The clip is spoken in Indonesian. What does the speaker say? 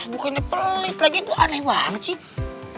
bukannya pelit lagi lu aneh banget sih